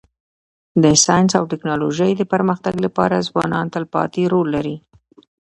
د ساینس او ټکنالوژۍ د پرمختګ لپاره ځوانان تلپاتی رول لري.